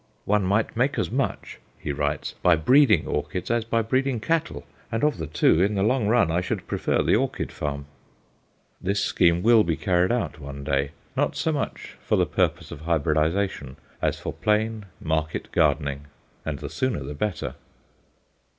"One might make as much," he writes, "by breeding orchids as by breeding cattle, and of the two, in the long run, I should prefer the orchid farm." This scheme will be carried out one day, not so much for the purpose of hybridization as for plain "market gardening;" and the sooner the better.